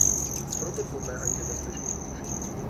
Proto podléhají nebezpečným pokušením.